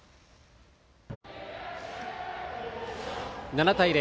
７対０